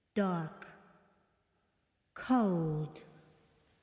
dark ... cold....)